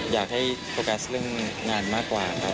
อยากให้โฟกัสเรื่องงานมากกว่าครับ